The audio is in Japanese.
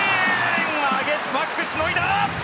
ワゲスパック、しのいだ！